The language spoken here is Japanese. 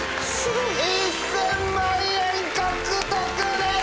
１０００万円獲得です！